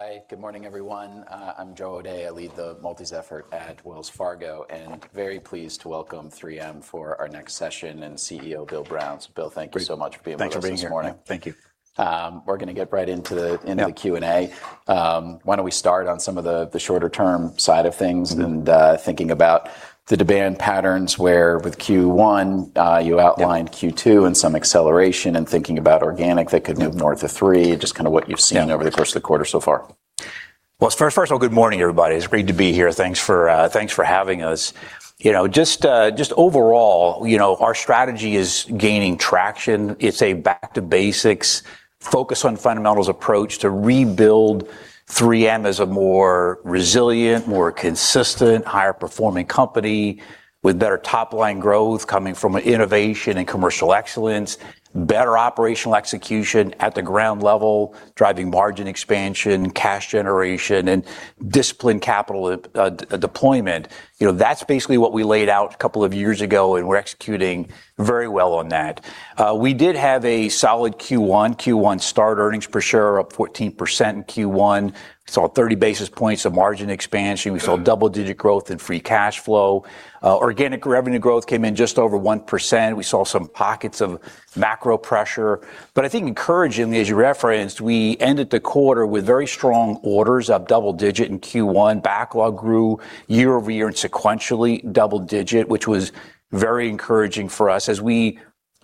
Hi. Good morning, everyone. I'm Joe O'Dea. I lead the multis effort at Wells Fargo, and very pleased to welcome 3M for our next session, and CEO Bill Brown. Bill, thank you so much for being with us this morning. Thanks for being here. Thank you. We're going to get right into the Q&A. Why don't we start on some of the shorter-term side of things, thinking about the demand patterns where with Q1, you outlined Q2 and some acceleration in thinking about organic that could move north of three, just kind of what you've seen over the course of the quarter so far. Well, first of all, good morning, everybody. It's great to be here. Thanks for having us. Just overall, our strategy is gaining traction. It's a back-to-basics, focus-on-fundamentals approach to rebuild 3M as a more resilient, more consistent, higher-performing company with better top-line growth coming from innovation and commercial excellence, better operational execution at the ground level, driving margin expansion, cash generation, and disciplined capital deployment. That's basically what we laid out a couple of years ago, and we're executing very well on that. We did have a solid Q1. Q1 start earnings per share up 14% in Q1, saw 30 basis points of margin expansion. We saw double-digit growth in free cash flow. Organic revenue growth came in just over 1%. We saw some pockets of macro pressure. I think encouragingly, as you referenced, we ended the quarter with very strong orders, up double-digit in Q1. Backlog grew year-over-year and sequentially double-digit, which was very encouraging for us. As we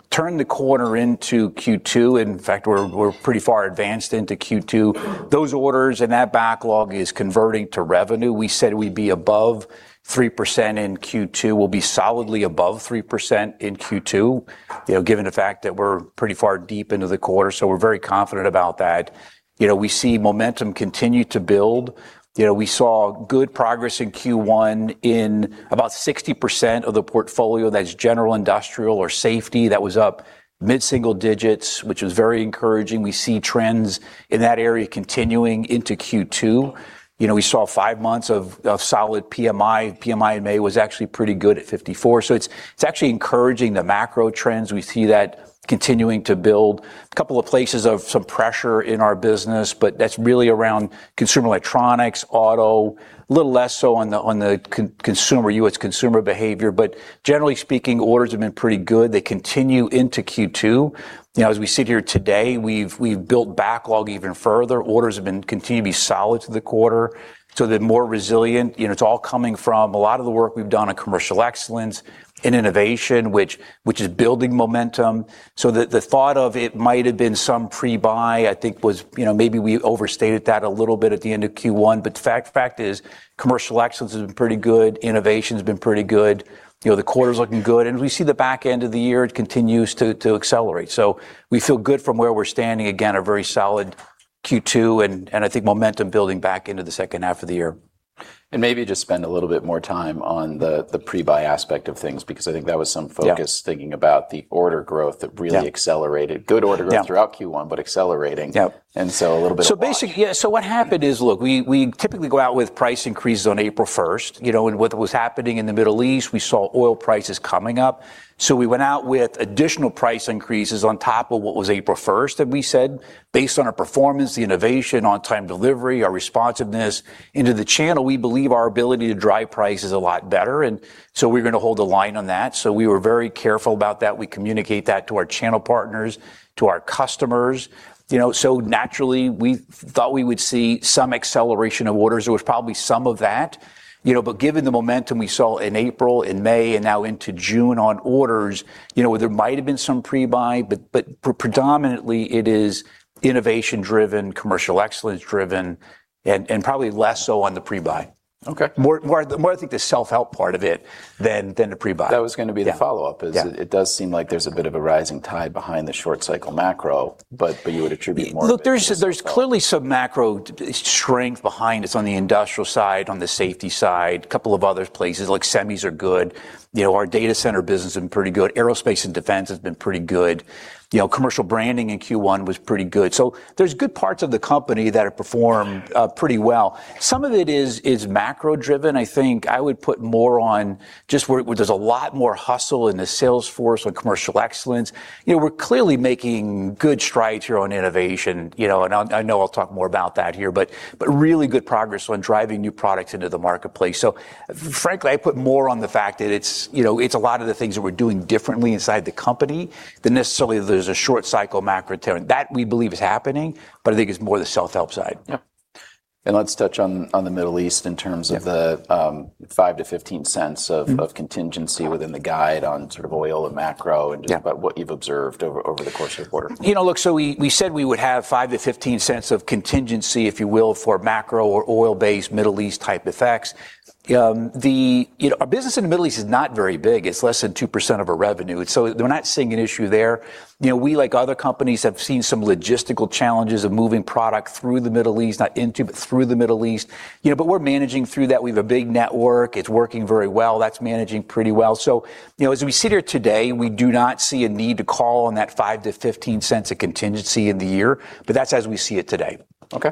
turn the corner into Q2, in fact, we're pretty far advanced into Q2. Those orders and that backlog is converting to revenue. We said we'd be above 3% in Q2. We'll be solidly above 3% in Q2, given the fact that we're pretty far deep into the quarter, so we're very confident about that. We see momentum continue to build. We saw good progress in Q1 in about 60% of the portfolio, that is general industrial or safety. That was up mid single-digits, which was very encouraging. We see trends in that area continuing into Q2. We saw five months of solid PMI. PMI in May was actually pretty good at 54%. It's actually encouraging, the macro trends. We see that continuing to build. A couple of places of some pressure in our business, but that's really around consumer electronics, auto, a little less so on the U.S. consumer behavior. Generally speaking, orders have been pretty good. They continue into Q2. As we sit here today, we've built backlog even further. Orders have continued to be solid through the quarter, so they're more resilient. It's all coming from a lot of the work we've done on commercial excellence in innovation, which is building momentum. The thought of it might've been some pre-buy, I think maybe we overstated that a little bit at the end of Q1. The fact is, commercial excellence has been pretty good. Innovation's been pretty good. The quarter's looking good. As we see the back end of the year, it continues to accelerate. We feel good from where we're standing. Again, a very solid Q2, and I think momentum building back into the second half of the year. Maybe just spend a little bit more time on the pre-buy aspect of things, because I think that was some focus thinking about the order growth that really accelerated. Yeah. Good order growth throughout Q1, but accelerating. Yeah. A little bit of why. What happened is, look, we typically go out with price increases on April 1st. With what was happening in the Middle East, we saw oil prices coming up. We went out with additional price increases on top of what was April 1st that we said. Based on our performance, the innovation, on-time delivery, our responsiveness into the channel, we believe our ability to drive price is a lot better, we're going to hold the line on that. We were very careful about that. We communicate that to our channel partners, to our customers. Naturally, we thought we would see some acceleration of orders. It was probably some of that. Given the momentum we saw in April, in May, and now into June on orders, there might've been some pre-buy, predominantly it is innovation driven, commercial excellence driven, and probably less so on the pre-buy. Okay. More, I think, the self-help part of it than the pre-buy. That was going to be the follow-up. Yeah. Is it does seem like there's a bit of a rising tide behind the short cycle macro, you would attribute more of it to? Look, there's clearly some macro strength behind us on the industrial side, on the safety side. A couple of other places, like semis are good. Our data center business has been pretty good. Aerospace & Defense has been pretty good. Commercial branding in Q1 was pretty good. There's good parts of the company that have performed pretty well. Some of it is macro driven. I think I would put more on just where there's a lot more hustle in the sales force on commercial excellence. We're clearly making good strides here on innovation. I know I'll talk more about that here, but really good progress on driving new products into the marketplace. Frankly, I put more on the fact that it's a lot of the things that we're doing differently inside the company than necessarily that there's a short cycle macro turn. That, we believe, is happening, I think it's more the self-help side. Yeah. Let's touch on the Middle East in terms of the $0.05-$0.15 of contingency within the guide on sort of oil just about what you've observed over the course of the quarter. Look, we said we would have $0.05-$0.15 of contingency, if you will, for macro or oil-based Middle East type effects. Our business in the Middle East is not very big. It's less than 2% of our revenue. We're not seeing an issue there. We, like other companies, have seen some logistical challenges of moving product through the Middle East, not into, but through the Middle East. We're managing through that. We have a big network. It's working very well. That's managing pretty well. As we sit here today, we do not see a need to call on that $0.05-$0.15 of contingency in the year, but that's as we see it today. Okay.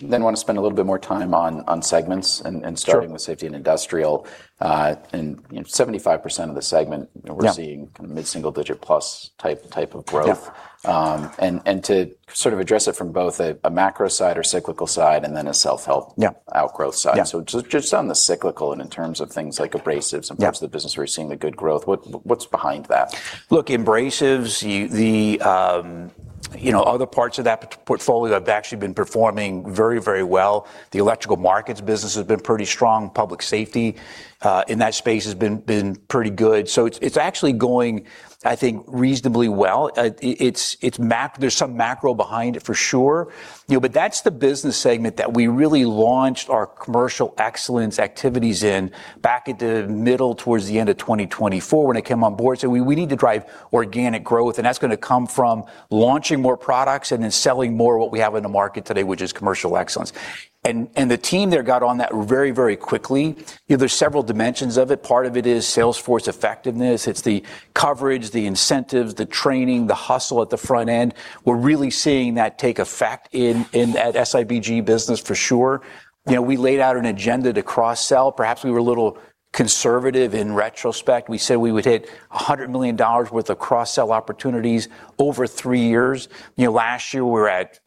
Want to spend a little bit more time on segments. Sure. Starting with Safety and Industrial. 75% of the segment— Yeah. —we're seeing mid-single-digit plus type of growth. Yeah. To sort of address it from both a macro side or cyclical side and then a self-help— Yeah. —outgrowth side. Yeah. Just on the cyclical and in terms of things like abrasives and parts— Yeah. —of the business where you're seeing the good growth, what's behind that? Look, abrasives. Other parts of that portfolio have actually been performing very well. The electrical markets business has been pretty strong. Public safety in that space has been pretty good. It's actually going, I think, reasonably well. There's some macro behind it for sure. That's the business segment that we really launched our commercial excellence activities in back in the middle, towards the end of 2024 when I came on board, said, "We need to drive organic growth, and that's going to come from launching more products and then selling more of what we have in the market today, which is commercial excellence." The team there got on that very quickly. There's several dimensions of it. Part of it is sales force effectiveness. It's the coverage, the incentives, the training, the hustle at the front end. We're really seeing that take effect in that SIBG business for sure. We laid out an agenda to cross-sell. Perhaps we were a little conservative in retrospect. We said we would hit $100 million worth of cross-sell opportunities over three years. Last year, we were at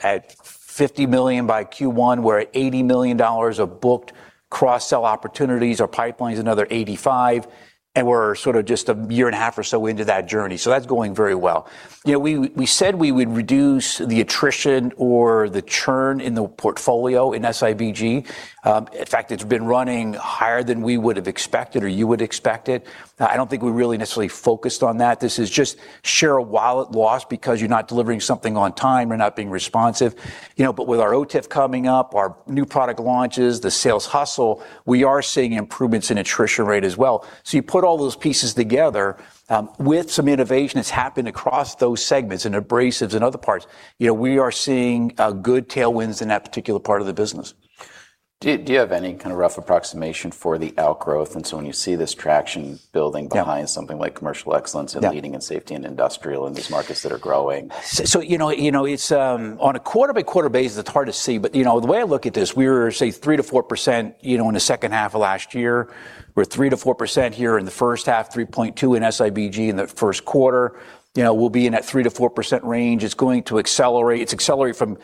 $50 million. By Q1, we're at $80 million of booked cross-sell opportunities. Our pipeline's another $85 million, and we're sort of just a year and a half or so into that journey. That's going very well. We said we would reduce the attrition or the churn in the portfolio in SIBG. In fact, it's been running higher than we would have expected or you would expect it. I don't think we really necessarily focused on that. This is just share a wallet loss because you're not delivering something on time or not being responsive. With our OTIF coming up, our new product launches, the sales hustle, we are seeing improvements in attrition rate as well. You put all those pieces together, with some innovation that's happened across those segments, in abrasives and other parts, we are seeing good tailwinds in that particular part of the business. Do you have any kind of rough approximation for the outgrowth? When you see this traction building— Yeah. —behind something like commercial excellence— Yeah. —leading in Safety and Industrial in these markets that are growing. On a quarter-by-quarter basis, it's hard to see, but the way I look at this, we were, say, 3%-4% in the second half of last year. We're 3%-4% here in the first half, 3.2% in SIBG in the first quarter. We'll be in that 3%-4% range. It's going to accelerate. It's accelerated from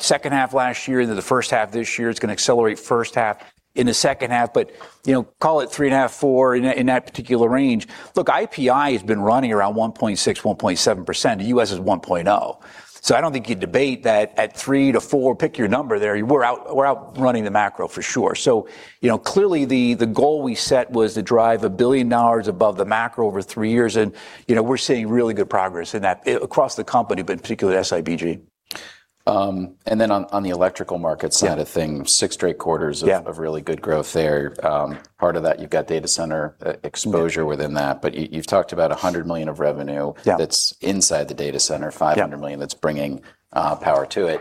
second half last year into the first half this year. It's going to accelerate first half into second half. Call it 3.5%-4%, in that particular range. Look, IPI has been running around 1.6%-1.7%. U.S. is 1.0%. I don't think you debate that at 3%-4%, pick your number there, we're outrunning the macro for sure. Clearly, the goal we set was to drive $1 billion above the macro over three years, and we're seeing really good progress in that across the company, but particularly SIBG. On the electrical market side— Yeah. —of things, six straight quarters of— Yeah. —really good growth there. Part of that, you've got data center exposure within that. You've talked about $100 million of revenue— Yeah. —that's inside the data center— Yeah. —$500 million that's bringing power to it.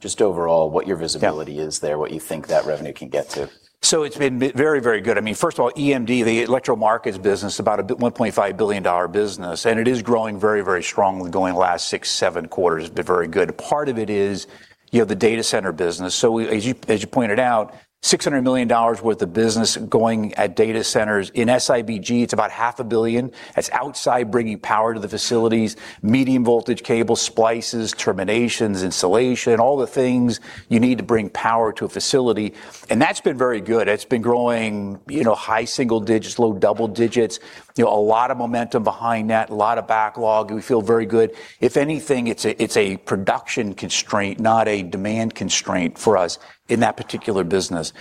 Just overall, what your visibility is there, what you think that revenue can get to. It's been very good. First of all, EMMD, the electro markets business, about a $1.5 billion business, and it is growing very strongly going the last six, seven quarters. Been very good. Part of it is the data center business. As you pointed out, $600 million worth of business going at data centers. In SIBG, it's about 500 million. That's outside bringing power to the facilities, medium voltage cable splices, terminations, insulation, all the things you need to bring power to a facility, and that's been very good. It's been growing high single-digits, low double-digits. A lot of momentum behind that, a lot of backlog. We feel very good. If anything, it's a production constraint, not a demand constraint for us in that particular business.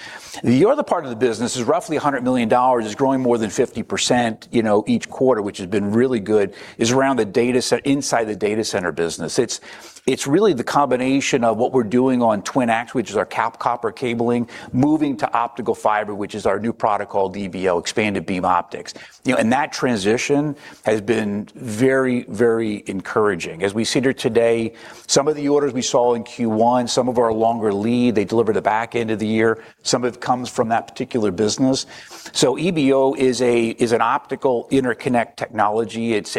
The other part of the business is roughly $100 million, is growing more than 50% each quarter, which has been really good, is around inside the data center business. It's really the combination of what we're doing on TwinAx, which is our copper cabling, moving to optical fiber, which is our new product called EBO, Expanded Beam Optical. That transition has been very encouraging. As we sit here today, some of the orders we saw in Q1, some of our longer lead, they deliver the back end of the year. Some of it comes from that particular business. EBO is an optical interconnect technology. It's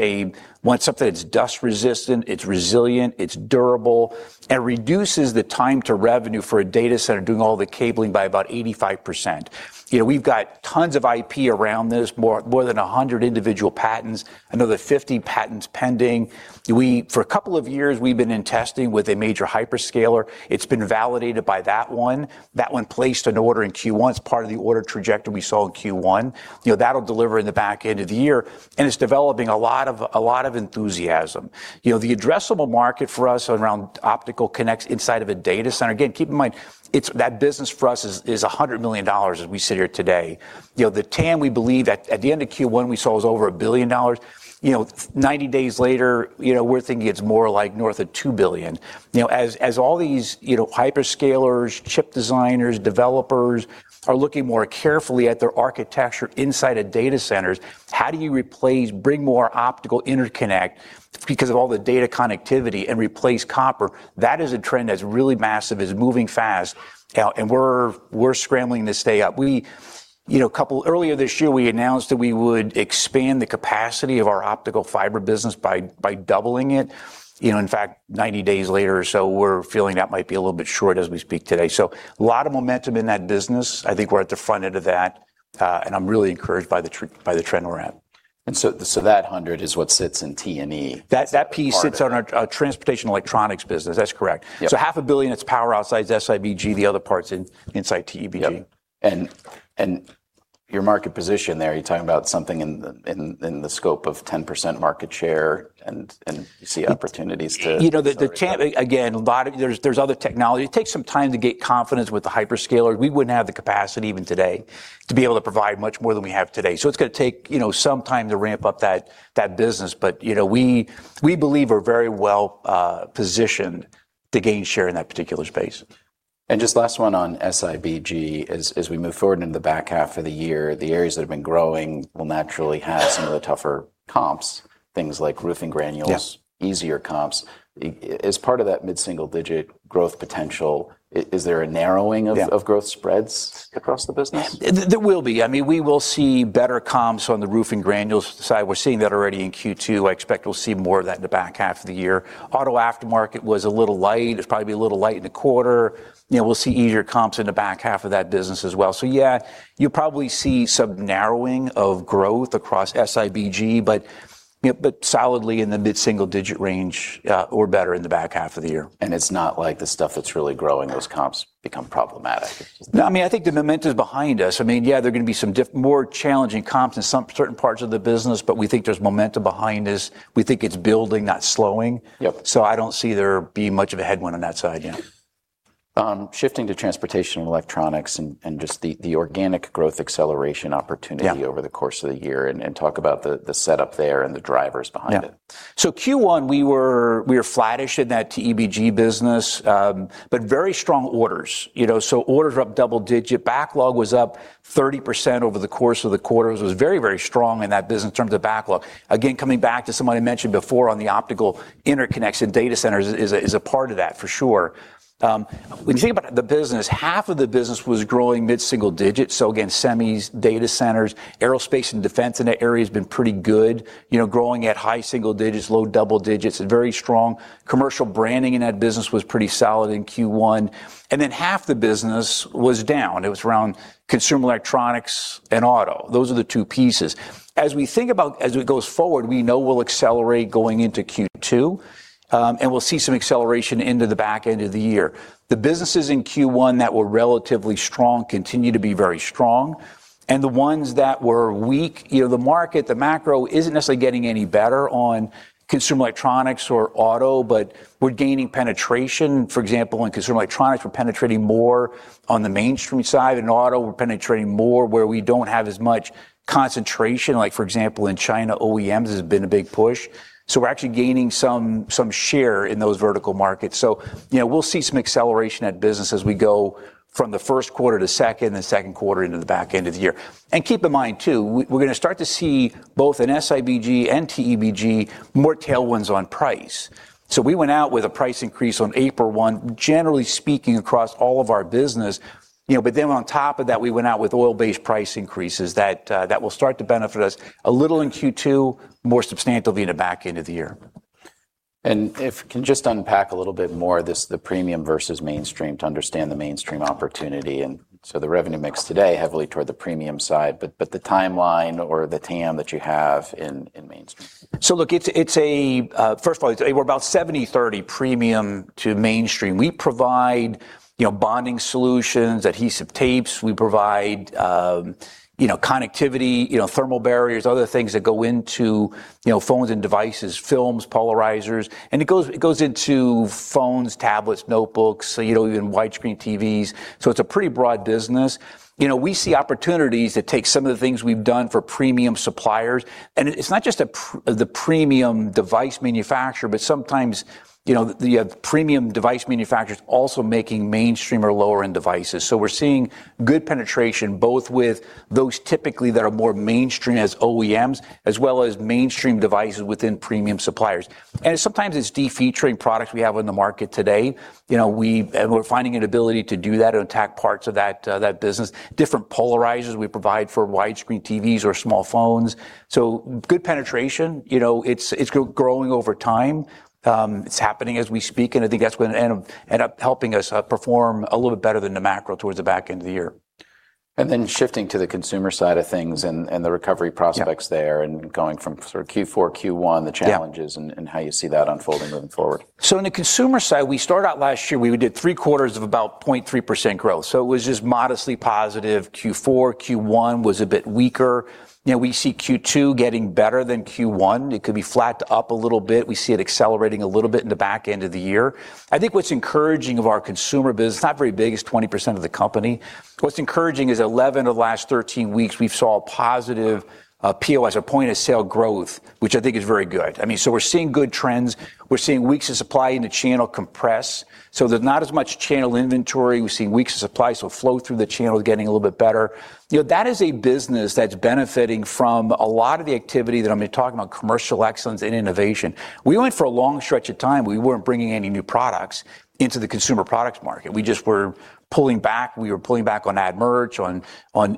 something that's dust resistant, it's resilient, it's durable, and reduces the time to revenue for a data center doing all the cabling by about 85%. We've got tons of IP around this, more than 100 individual patents, another 50 patents pending. For a couple of years, we've been in testing with a major hyperscaler. It's been validated by that one. That one placed an order in Q1. It's part of the order trajectory we saw in Q1. That'll deliver in the back end of the year, and it's developing a lot of enthusiasm. The addressable market for us around optical connects inside of a data center, again, keep in mind, that business for us is $100 million as we sit here today. The TAM, we believe, at the end of Q1, we saw was over $1 billion. 90 days later, we're thinking it's more like north of $2 billion. As all these hyperscalers, chip designers, developers are looking more carefully at their architecture inside of data centers, how do you bring more optical interconnect because of all the data connectivity and replace copper? That is a trend that's really massive, is moving fast, we're scrambling to stay up. Earlier this year, we announced that we would expand the capacity of our optical fiber business by doubling it. In fact, 90 days later or so, we're feeling that might be a little bit short as we speak today. A lot of momentum in that business. I think we're at the front end of that, I'm really encouraged by the trend we're at. That $100 million is what sits in T&E. That piece sits on our Transportation Electronics business. That's correct. Yeah. $500 million, it's power outside SIBG, the other part's inside TEBG. Yep. Your market position there, you're talking about something in the scope of 10% market share. Again, there's other technology. It takes some time to get confidence with the hyperscalers. We wouldn't have the capacity even today to be able to provide much more than we have today. It's going to take some time to ramp up that business, but we believe we're very well-positioned to gain share in that particular space. Just last one on SIBG. As we move forward into the back half of the year, the areas that have been growing will naturally have some of the tougher comps, things like Roofing Granules— Yeah. —easier comps. As part of that mid single-digit growth potential, is there a narrowing of— Yeah. —growth spreads across the business? There will be. We will see better comps on the Roofing Granules side. We're seeing that already in Q2. I expect we'll see more of that in the back half of the year. Auto aftermarket was a little light. It'll probably be a little light in the quarter. We'll see easier comps in the back half of that business as well. Yeah, you'll probably see some narrowing of growth across SIBG, but solidly in the mid single-digit range or better in the back half of the year. It's not like the stuff that's really growing those comps become problematic? No, I think the momentum is behind us. Yeah, there are going to be some more challenging comps in certain parts of the business, we think there's momentum behind us. We think it's building, not slowing. Yep. I don't see there being much of a headwind on that side, yeah. Shifting to Transportation & Electronics just the organic growth acceleration opportunity— Yeah. —over the course of the year, and talk about the setup there and the drivers behind it. Q1, we were flattish in that TEBG business. Very strong orders. Orders were up double-digit. Backlog was up 30% over the course of the quarter. It was very strong in that business in terms of backlog. Again, coming back to something I mentioned before on the optical interconnection data centers is a part of that, for sure. When you think about the business, half of the business was growing mid single-digits. Again, semis, data centers, Aerospace & Defense in that area has been pretty good. Growing at high single-digits, low double-digits, very strong. Commercial branding in that business was pretty solid in Q1. Half the business was down. It was around consumer electronics and auto. Those are the two pieces. As it goes forward, we know we'll accelerate going into Q2, we'll see some acceleration into the back end of the year. The businesses in Q1 that were relatively strong continue to be very strong. The ones that were weak, the market, the macro isn't necessarily getting any better on consumer electronics or auto, we're gaining penetration, for example, in consumer electronics. We're penetrating more on the mainstream side. In auto, we're penetrating more where we don't have as much concentration. Like for example, in China, OEMs has been a big push. We're actually gaining some share in those vertical markets. We'll see some acceleration at business as we go from the first quarter to second, and second quarter into the back end of the year. Keep in mind too, we're going to start to see both in SIBG and TEBG, more tailwinds on price. We went out with a price increase on April 1, generally speaking, across all of our business. On top of that, we went out with oil-based price increases that will start to benefit us a little in Q2, more substantially in the back end of the year. If you can just unpack a little bit more this, the premium versus mainstream to understand the mainstream opportunity. The revenue mix today heavily toward the premium side, but the TAM that you have in mainstream. Look, first of all, we're about 70/30 premium to mainstream. We provide bonding solutions, adhesive tapes. We provide connectivity, thermal barriers, other things that go into phones and devices, films, polarizers. It goes into phones, tablets, notebooks, even wide screen TVs. It's a pretty broad business. We see opportunities to take some of the things we've done for premium suppliers. It's not just the premium device manufacturer, but sometimes the premium device manufacturer is also making mainstream or lower-end devices. We're seeing good penetration, both with those typically that are more mainstream as OEMs, as well as mainstream devices within premium suppliers. Sometimes it's de-featuring products we have on the market today. We're finding an ability to do that and attack parts of that business. Different polarizers we provide for wide screen TVs or small phones. Good penetration. It's growing over time. It's happening as we speak, and I think that's going to end up helping us perform a little bit better than the macro towards the back end of the year. Shifting to the Consumer side of things and the recovery prospects there. Yeah. Going from Q4, Q1, the challenges and— Yeah. —how you see that unfolding moving forward. On the Consumer side, we started out last year, we did three quarters of about 0.3% growth. It was just modestly positive. Q4, Q1 was a bit weaker. We see Q2 getting better than Q1. It could be flat to up a little bit. We see it accelerating a little bit in the back end of the year. I think what's encouraging of our Consumer business, it's not very big, it's 20% of the company. What's encouraging is 11 of the last 13 weeks, we've saw positive POS or point of sale growth, which I think is very good. We're seeing good trends. We're seeing weeks of supply in the channel compress. There's not as much channel inventory. We've seen weeks of supply, flow through the channel is getting a little bit better. That is a business that's benefiting from a lot of the activity that I've been talking about, commercial excellence and innovation. We went for a long stretch of time, we weren't bringing any new products into the consumer products market. We just were pulling back. We were pulling back on ad merch, on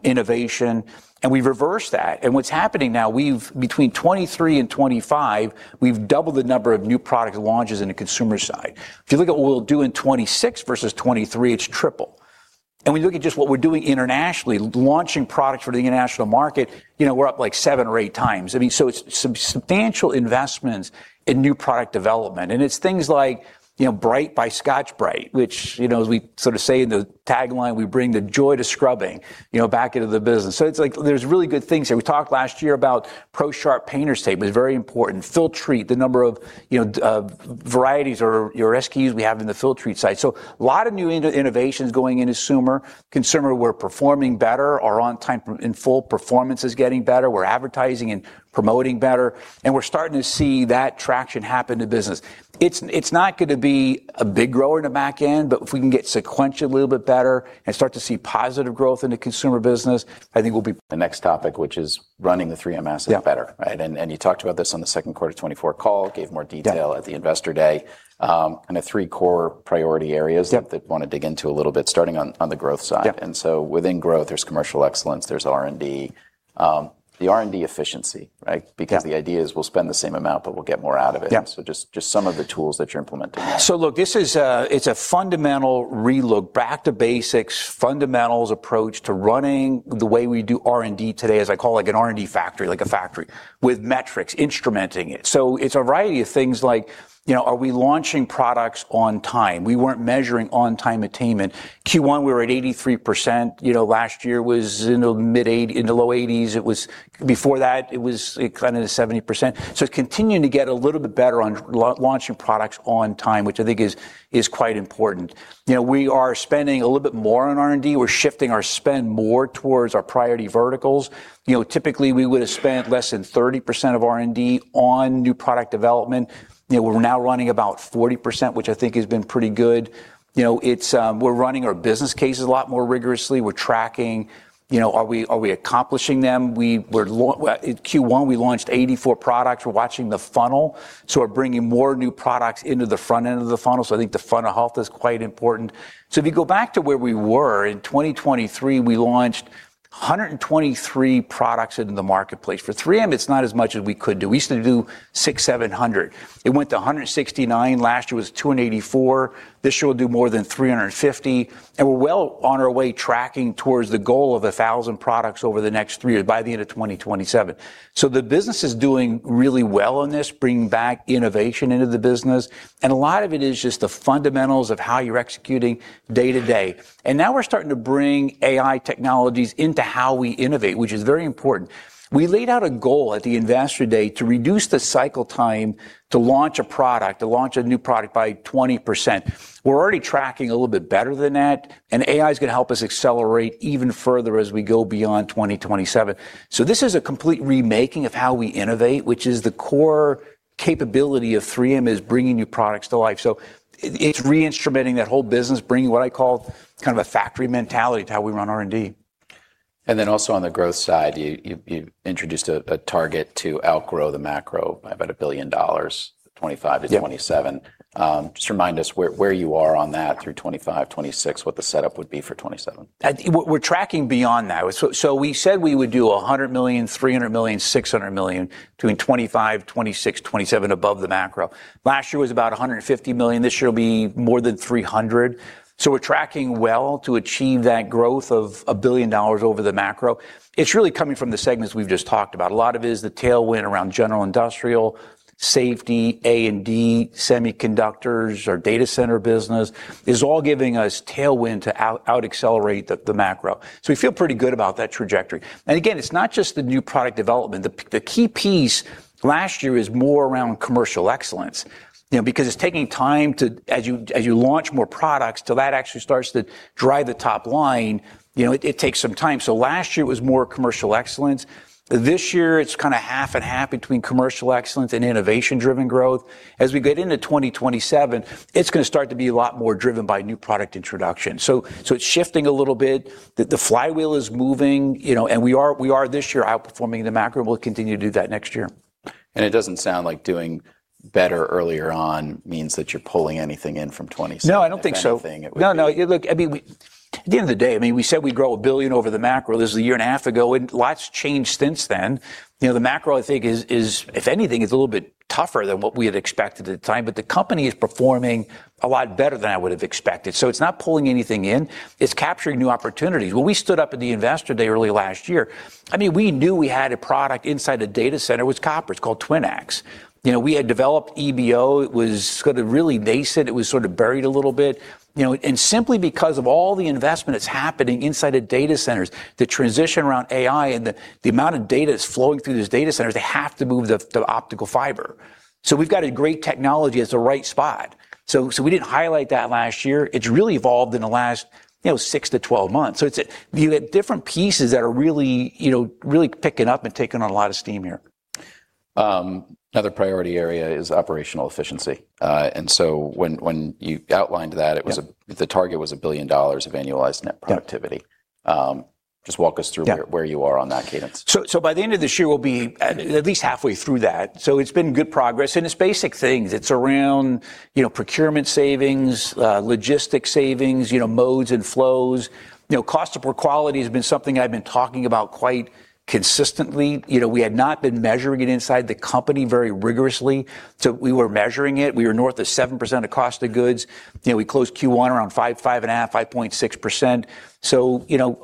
innovation, and we've reversed that. What's happening now, between 2023 and 2025, we've doubled the number of new product launches in the Consumer side. If you look at what we'll do in 2026 versus 2023, it's triple. We look at just what we're doing internationally, launching products for the international market, we're up like seven or eight times. It's substantial investments in new product development, and it's things like Brite by Scotch-Brite, which, as we sort of say in the tagline, we bring the joy to scrubbing back into the business. It's like there's really good things there. We talked last year about PROSharp painter's tape. It was very important. Filtrete, the number of varieties or SKUs we have in the Filtrete side. A lot of new innovations going into Consumer. Consumer, we're performing better, our on time, in full performance is getting better. We're advertising and promoting better, we're starting to see that traction happen in the business. It's not going to be a big grower in the back end, if we can get sequential a little bit better and start to see positive growth in the Consumer business, I think we'll be. The next topic, which is running the 3M asset better, right? Yeah. You talked about this on the second quarter 2024 call, gave more detail— Yeah. —at the Investor Day. Kind of three core priority areas— Yeah. —that I want to dig into a little bit starting on the growth side. Yeah. Within growth, there's commercial excellence, there's R&D. The R&D efficiency, right? The idea is we'll spend the same amount, but we'll get more out of it. Yeah. Just some of the tools that you're implementing there. Look, this is a fundamental relook back to basics, fundamentals approach to running the way we do R&D today, as I call like an R&D factory, like a factory with metrics instrumenting it. It's a variety of things like are we launching products on time? We weren't measuring on-time attainment. Q1, we were at 83%. Last year was in the low-80s. Before that, it was kind of at 70%. It's continuing to get a little bit better on launching products on time, which I think is quite important. We are spending a little bit more on R&D. We're shifting our spend more towards our priority verticals. Typically, we would have spent less than 30% of R&D on new product development. We're now running about 40%, which I think has been pretty good. We're running our business cases a lot more rigorously. We're tracking are we accomplishing them? In Q1, we launched 84 products. We're watching the funnel. We're bringing more new products into the front end of the funnel. I think the funnel health is quite important. If you go back to where we were in 2023, we launched 123 products into the marketplace. For 3M, it's not as much as we could do. We used to do 600, 700. It went to 169. Last year was 284. This year, we'll do more than 350, and we're well on our way tracking towards the goal of 1,000 products over the next three years by the end of 2027. The business is doing really well on this, bringing back innovation into the business, and a lot of it is just the fundamentals of how you're executing day to day. Now we're starting to bring AI technologies into how we innovate, which is very important. We laid out a goal at the Investor Day to reduce the cycle time to launch a product, to launch a new product by 20%. We're already tracking a little bit better than that, and AI is going to help us accelerate even further as we go beyond 2027. This is a complete remaking of how we innovate, which is the core capability of 3M is bringing new products to life. It's reinstrumenting that whole business, bringing what I call kind of a factory mentality to how we run R&D. Then also on the growth side, you introduced a target to outgrow the macro by about $1 billion, 2025 to 2027. Yeah. Just remind us where you are on that through 2025, 2026, what the setup would be for 2027. We're tracking beyond that. We said we would do $100 million, $300 million, $600 million between 2025, 2026, 2027 above the macro. Last year was about $150 million. This year will be more than $300 million. We're tracking well to achieve that growth of $1 billion over the macro. It's really coming from the segments we've just talked about. A lot of it is the tailwind around general industrial, safety, A&D, semiconductors, our data center business is all giving us tailwind to out accelerate the macro. We feel pretty good about that trajectory. Again, it's not just the new product development. The key piece last year is more around commercial excellence, because it's taking time as you launch more products till that actually starts to drive the top line, it takes some time. Last year it was more commercial excellence. This year it's kind of half and half between commercial excellence and innovation-driven growth. As we get into 2027, it's going to start to be a lot more driven by new product introduction. It's shifting a little bit. The flywheel is moving. We are this year outperforming the macro, and we'll continue to do that next year. It doesn't sound like doing better earlier on means that you're pulling anything in from 2027. No, I don't think so. If anything, it would be— No, no. Look, at the end of the day, we said we'd grow $1 billion over the macro. This is a year and a half ago, and a lot's changed since then. The macro, I think is, if anything, is a little bit tougher than what we had expected at the time, but the company is performing a lot better than I would have expected. It's not pulling anything in. It's capturing new opportunities. When we stood up at the Investor Day early last year, we knew we had a product inside a data center. It was copper. It's called TwinAx. We had developed EBO. It was sort of really nascent. It was sort of buried a little bit. Simply because of all the investment that's happening inside the data centers, the transition around AI, and the amount of data that's flowing through these data centers, they have to move the optical fiber. We've got a great technology at the right spot. We didn't highlight that last year. It's really evolved in the last 6-12 months. You have different pieces that are really picking up and taking on a lot of steam here. Another priority area is operational efficiency. When you outlined— Yeah. —the target was $1 billion of annualized net productivity. Yeah. Just walk us through— Yeah. —where you are on that cadence. By the end of this year, we'll be at least halfway through that. It's been good progress, and it's basic things. It's around procurement savings, logistics savings, modes and flows. Cost of poor quality has been something I've been talking about quite consistently. We had not been measuring it inside the company very rigorously, we were measuring it. We were north of 7% of cost of goods. We closed Q1 around 5%, 5.5%, 5.6%.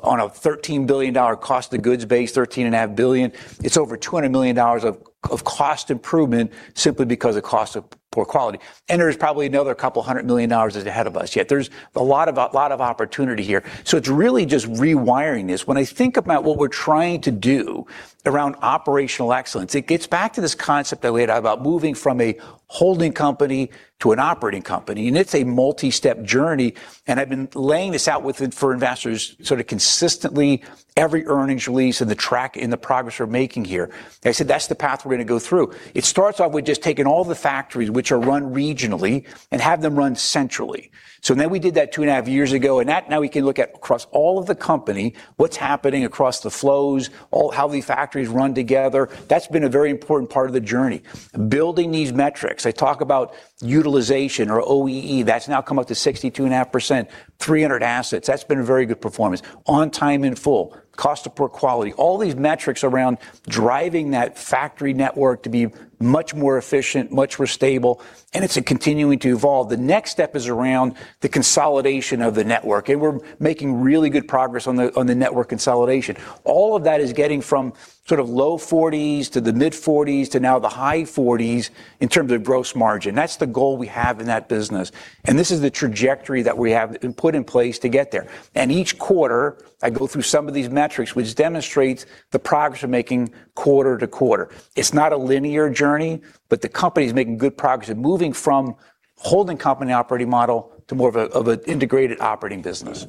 On a $13 billion cost of goods base, $13.5 billion, it's over $200 million of cost improvement simply because of cost of poor quality. There's probably another $200 million ahead of us yet. There's a lot of opportunity here. It's really just rewiring this. When I think about what we're trying to do around operational excellence, it gets back to this concept that we had about moving from a holding company to an operating company, and it's a multi-step journey, and I've been laying this out for investors sort of consistently every earnings release and the track and the progress we're making here. I said that's the path we're going to go through. It starts off with just taking all the factories, which are run regionally, and have them run centrally. We did that two and a half years ago, and now we can look at across all of the company what's happening across the flows, how the factories run together. That's been a very important part of the journey. Building these metrics, I talk about utilization or OEE, that's now come up to 62.5%, 300 assets. That's been a very good performance. On time and in full, cost of poor quality, all these metrics around driving that factory network to be much more efficient, much more stable, and it's continuing to evolve. The next step is around the consolidation of the network, and we're making really good progress on the network consolidation. All of that is getting from sort of low-40s to the mid-40s to now the high-40s in terms of gross margin. That's the goal we have in that business, and this is the trajectory that we have put in place to get there. Each quarter, I go through some of these metrics, which demonstrates the progress we're making quarter to quarter. It's not a linear journey, but the company's making good progress in moving from holding company operating model to more of an integrated operating business.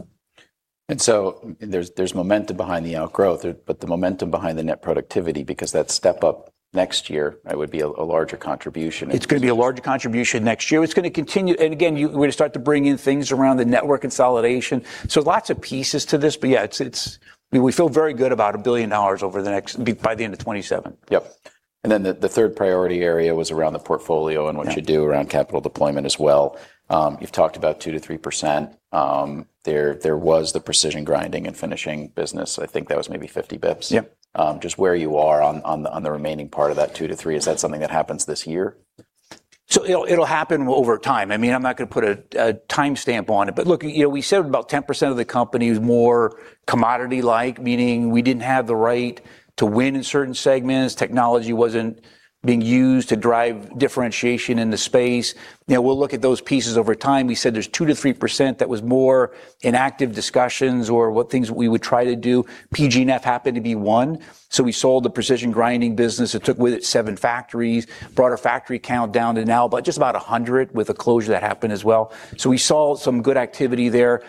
There's momentum behind the outgrowth, but the momentum behind the net productivity, because that step up next year, that would be a larger contribution. It's going to be a larger contribution next year. It's going to continue. Again, we're going to start to bring in things around the network consolidation. Lots of pieces to this. Yeah, we feel very good about $1 billion by the end of 2027. Yep. Then the third priority area was around the portfolio and what you do around capital deployment as well. You've talked about 2%-3%. There was the Precision Grinding & Finishing business. I think that was maybe 50 basis points. Yeah. Just where you are on the remaining part of that 2%-3%, is that something that happens this year? It'll happen over time. I'm not going to put a time stamp on it. Look, we said about 10% of the company is more commodity-like, meaning we didn't have the right to win in certain segments. Technology wasn't being used to drive differentiation in the space. We'll look at those pieces over time. We said there's 2%-3% that was more in active discussions or what things we would try to do. PGF happened to be one. We sold the Precision Grinding business. It took with it seven factories, brought our factory count down to now about just about 100 with a closure that happened as well. We saw some good activity there.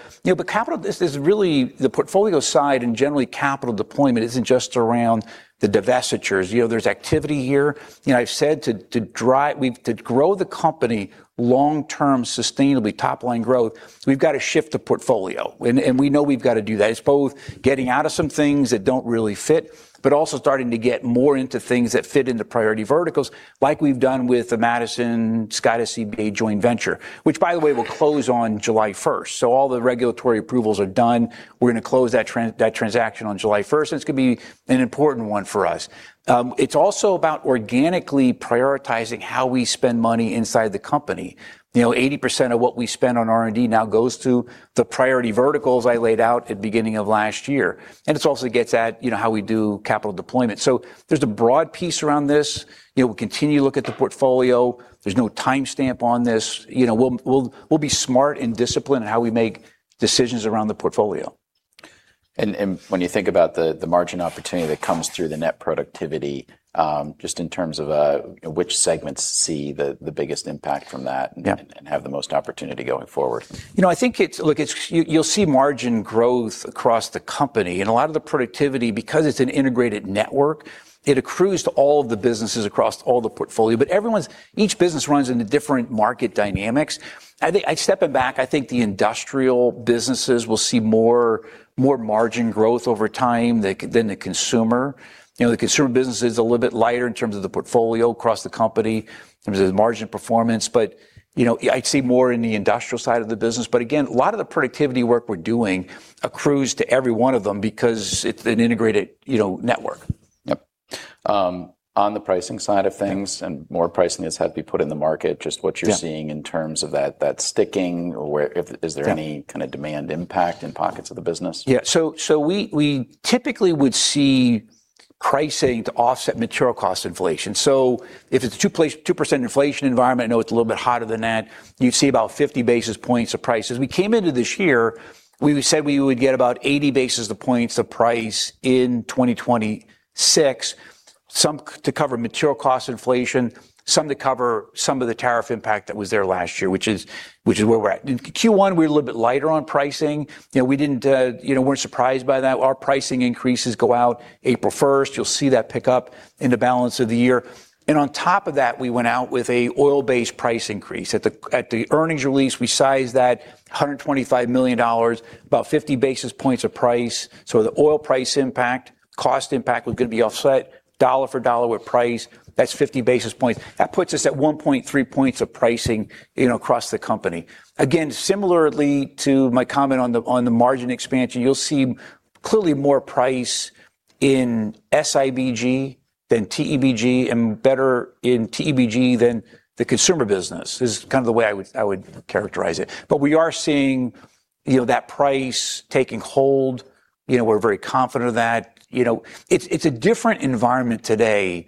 Capital, the portfolio side, and generally capital deployment isn't just around the divestitures. There's activity here. I've said to grow the company long-term, sustainably, top-line growth, we've got to shift the portfolio, we know we've got to do that. It's both getting out of some things that don't really fit, but also starting to get more into things that fit into priority verticals, like we've done with the Madison Scott SCBA joint venture. Which, by the way, will close on July 1st. All the regulatory approvals are done. We're going to close that transaction on July 1st, and it's going to be an important one for us. It's also about organically prioritizing how we spend money inside the company. 80% of what we spend on R&D now goes to the priority verticals I laid out at the beginning of last year, and it also gets at how we do capital deployment. There's a broad piece around this. We'll continue to look at the portfolio. There's no time stamp on this. We'll be smart and disciplined in how we make decisions around the portfolio. When you think about the margin opportunity that comes through the net productivity, just in terms of which segments see the biggest impact from that— Yeah. —have the most opportunity going forward. You'll see margin growth across the company. A lot of the productivity, because it's an integrated network, it accrues to all of the businesses across all the portfolio. Each business runs into different market dynamics. Stepping back, I think the industrial businesses will see more margin growth over time than the Consumer. The Consumer business is a little bit lighter in terms of the portfolio across the company in terms of margin performance. I'd see more in the industrial side of the business. Again, a lot of the productivity work we're doing accrues to every one of them because it's an integrated network. Yep. On the pricing side of things, more pricing has had to be put in the market, just what you're seeing in terms of that sticking, or is there any kind of demand impact in pockets of the business? Yeah. We typically would see pricing to offset material cost inflation. If it's a 2% inflation environment, I know it's a little bit hotter than that, you'd see about 50 basis points of price. As we came into this year, we said we would get about 80 basis points of price in 2026, some to cover material cost inflation, some to cover some of the tariff impact that was there last year, which is where we're at. In Q1, we were a little bit lighter on pricing. We weren't surprised by that. Our pricing increases go out April 1st. You'll see that pick up in the balance of the year. On top of that, we went out with an oil-based price increase. At the earnings release, we sized that $125 million, about 50 basis points of price. The oil price impact, cost impact was going to be offset dollar for dollar with price. That's 50 basis points. That puts us at 1.3 points of pricing across the company. Again, similarly to my comment on the margin expansion, you'll see clearly more price in SIBG than TEBG and better in TEBG than the Consumer business, is kind of the way I would characterize it. We are seeing that price taking hold. We're very confident of that. It's a different environment today,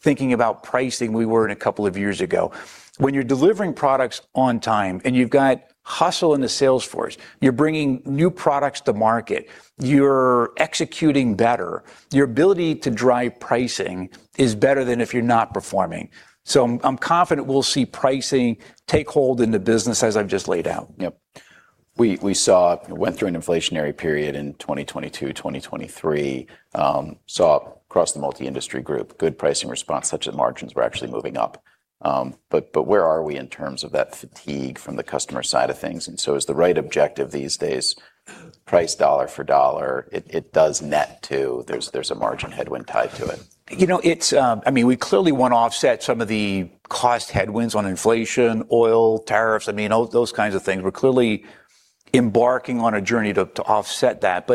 thinking about pricing we were in a couple of years ago. When you're delivering products on time and you've got hustle in the sales force, you're bringing new products to market, you're executing better, your ability to drive pricing is better than if you're not performing. I'm confident we'll see pricing take hold in the business as I've just laid out. Yep. We went through an inflationary period in 2022, 2023. Saw across the multi-industry group, good pricing response, such that margins were actually moving up. Where are we in terms of that fatigue from the customer side of things? Is the right objective these days, price dollar for dollar? It does net, too. There's a margin headwind tied to it. We clearly want to offset some of the cost headwinds on inflation, oil, tariffs, those kinds of things. We're clearly embarking on a journey to offset that.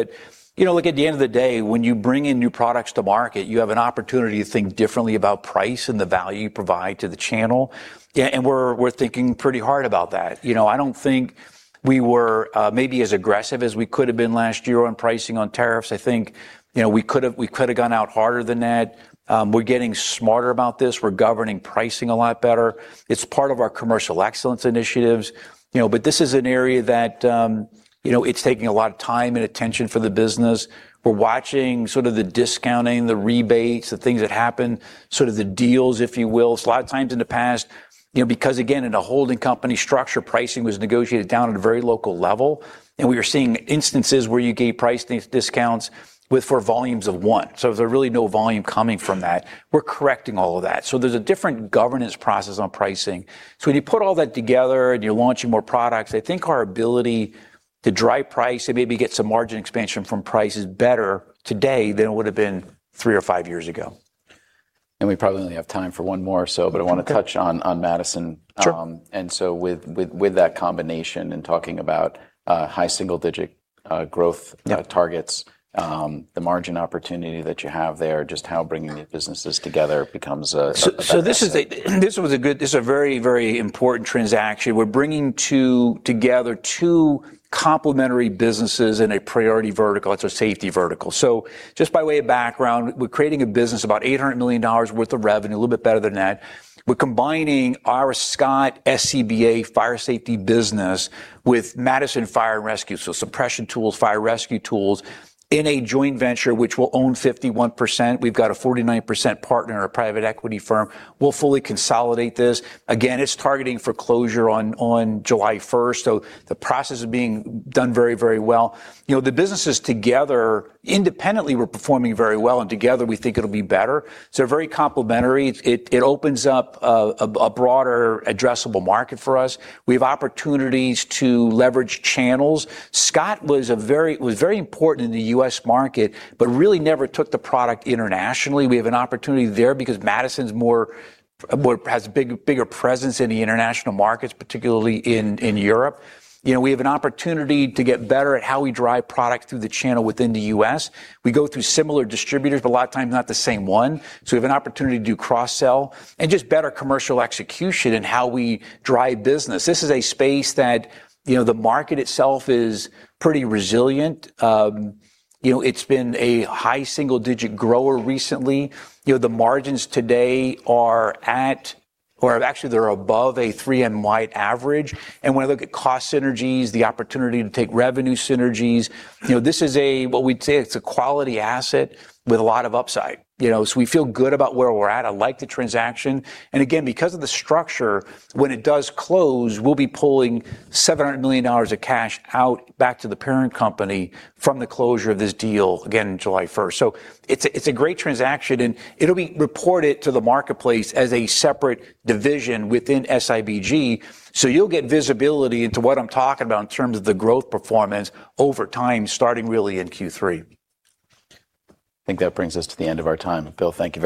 Look, at the end of the day, when you bring in new products to market, you have an opportunity to think differently about price and the value you provide to the channel. We're thinking pretty hard about that. I don't think we were maybe as aggressive as we could have been last year on pricing on tariffs. I think we could have gone out harder than that. We're getting smarter about this. We're governing pricing a lot better. It's part of our commercial excellence initiatives. This is an area that it's taking a lot of time and attention for the business. We're watching sort of the discounting, the rebates, the things that happen, sort of the deals, if you will. A lot of times in the past, because again, in a holding company structure, pricing was negotiated down at a very local level, and we were seeing instances where you gave price discounts for volumes of one. There was really no volume coming from that. We're correcting all of that. There's a different governance process on pricing. When you put all that together and you're launching more products, I think our ability to drive price and maybe get some margin expansion from price is better today than it would have been three or five years ago. We probably only have time for one more. I want to touch on Madison. Sure. With that combination and talking about high single-digit growth targets. Yeah. The margin opportunity that you have there, just how bringing the businesses together becomes a best fit. This was a very important transaction. We're bringing together two complementary businesses in a priority vertical. It's a safety vertical. Just by way of background, we're creating a business about $800 million worth of revenue, a little bit better than that. We're combining our Scott SCBA Fire Safety business with Madison Fire & Rescue, so suppression tools, fire rescue tools, in a joint venture, which we'll own 51%. We've got a 49% partner in a private equity firm. We'll fully consolidate this. Again, it's targeting for closure on July 1st. The process is being done very well. The businesses together, independently were performing very well, and together we think it'll be better. Very complementary. It opens up a broader addressable market for us. We have opportunities to leverage channels. Scott was very important in the U.S. market, but really never took the product internationally. We have an opportunity there because Madison has a bigger presence in the international markets, particularly in Europe. We have an opportunity to get better at how we drive product through the channel within the U.S. We go through similar distributors, but a lot of times not the same one. We have an opportunity to do cross-sell and just better commercial execution in how we drive business. This is a space that the market itself is pretty resilient. It's been a high single-digit grower recently. The margins today are at or actually they're above a 3M-wide average. When I look at cost synergies, the opportunity to take revenue synergies, this is what we'd say, it's a quality asset with a lot of upside. We feel good about where we're at. I like the transaction. Again, because of the structure, when it does close, we'll be pulling $700 million of cash out back to the parent company from the closure of this deal, again, July 1st. It's a great transaction, and it'll be reported to the marketplace as a separate division within SIBG. You'll get visibility into what I'm talking about in terms of the growth performance over time, starting really in Q3. I think that brings us to the end of our time. Bill, thank you very.